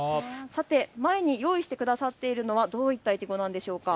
さて用意してくださっているのはどういったいちご何でしょうか。